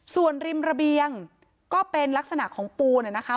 ส่วนริมระเบียงก็เป็นลักษณะของปูนะคะ